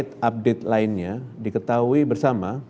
up update lainnya diketahui bersama